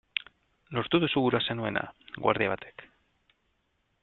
Lortu duzu gura zenuena!, guardia batek.